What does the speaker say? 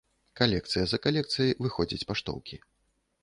Калекцыя за калекцыяй выходзяць паштоўкі.